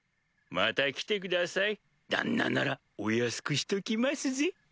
また来てください旦那ならお安くしときますぜ。